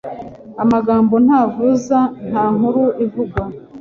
amagambo ntavuza, nta nkuru ivugwa